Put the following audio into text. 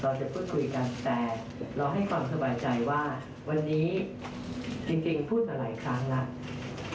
เราจะพูดคุยกันแต่เราให้ความสบายใจว่าวันนี้จริงพูดมาหลายครั้งแล้ว